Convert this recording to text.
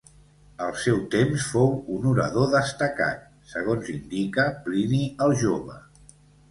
Al seu temps fou un orador destacat segons indica Plini el jove.